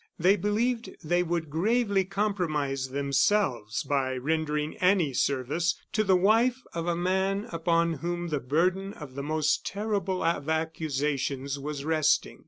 They believed they would gravely compromise themselves by rendering any service to the wife of a man upon whom the burden of the most terrible of accusations was resting.